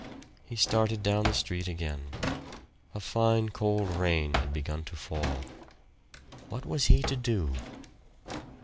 He started down the street again. A fine cold rain had begun to fall. What was he to do?